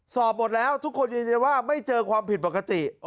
สอบหมดแล้วทุกคนยืนยันว่าไม่เจอความผิดปกติ